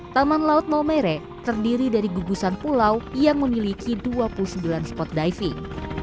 taman laut maumere terdiri dari gugusan pulau yang memiliki dua puluh sembilan spot diving